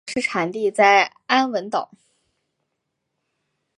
该物种的模式产地在安汶岛。